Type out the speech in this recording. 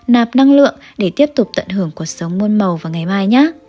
nạp năng lượng để tiếp tục tận hưởng cuộc sống môn màu vào ngày mai nhé